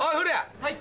はい。